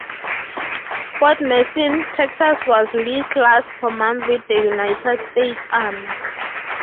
Fort Mason, Texas was Lee's last command with the United States Army.